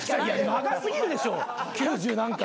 長過ぎるでしょ九十何回。